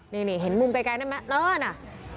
เนี่ยเนี่ยเห็นมุมไกลแน่แมะนี่อะนะ